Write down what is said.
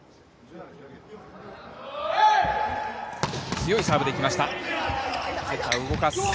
強いサーブで行きました。